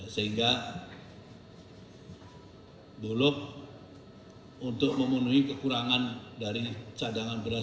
sehingga bulog untuk memenuhi kekurangan dari cadangan beras